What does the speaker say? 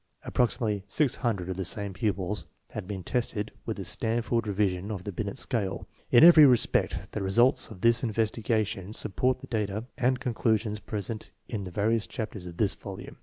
Ap proximately six hundred of the same pupils had been tested with the Stanford Revision of the Binet scale. In every respect the results of this investigation sup port the data and conclusions presented in the vari ous chapters of this volume.